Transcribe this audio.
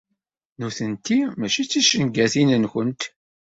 Nutenti mačči d ticengatin-nkent.